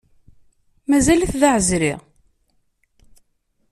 Mazal-it d aɛezri.